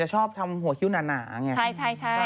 จะชอบทำหัวคิ้วหนาหนาไงใช่ใช่ใช่